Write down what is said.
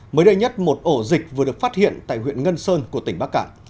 mới đây nhất một ổ dịch vừa được phát hiện tại huyện ngân sơn của tỉnh bắc cạn